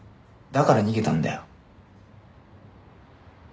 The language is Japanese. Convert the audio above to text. だから逃げたんだよ。